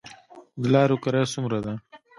د لاریو کرایه څومره ده؟